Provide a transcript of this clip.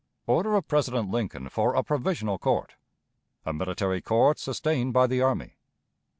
Order of President Lincoln for a Provisional Court. A Military Court sustained by the Army.